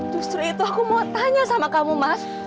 justru itu aku mau tanya sama kamu mas